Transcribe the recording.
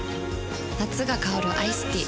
夏が香るアイスティー